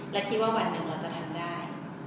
และคิดว่าวันหนึ่งเราจะทำได้